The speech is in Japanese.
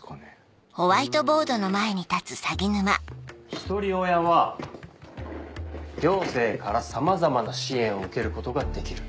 ひとり親は行政からさまざまな支援を受けることができる。